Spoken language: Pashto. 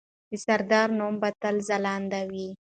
د سردار نوم به تل ځلانده وي.